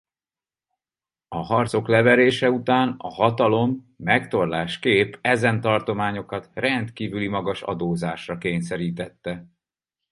A harcok leverése után a hatalom megtorlásképp ezen tartományokat rendkívüli magas adózásra kényszerítette.